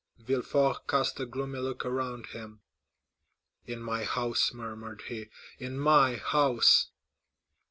Villefort cast a gloomy look around him. "In my house," murmured he, "in my house!"